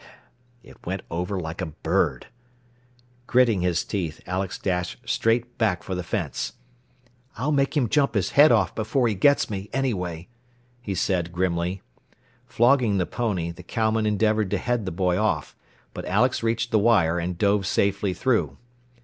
It went over like a bird. Gritting his teeth, Alex dashed straight back for the fence. "I'll make him jump his head off before he gets me, anyway," he said grimly. Flogging the pony, the cowman endeavored to head the boy off, but Alex reached the wire, and dove safely through.